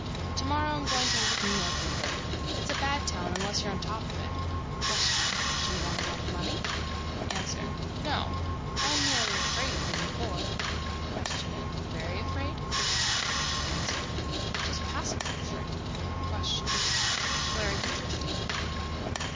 To morrow I'm going to leave New York for good. It's a bad town unless you're on top of it. Q.—Do you want a lot of money? A.—No. I am merely afraid of being poor. Q.—Very afraid? A.—Just passively afraid. Q.—Where are you drifting?